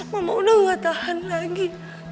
mama udah gak tahan lagi